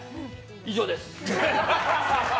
以上です。